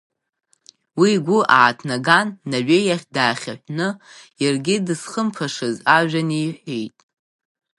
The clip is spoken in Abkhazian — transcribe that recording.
Уи игәы ааҭнаган, Наҩеи иахь даахьаҳәны, иаргьы дызхымԥашаз ажәа неиҳәеит.